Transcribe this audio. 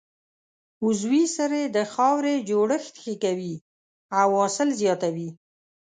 عضوي سرې د خاورې جوړښت ښه کوي او حاصل زیاتوي.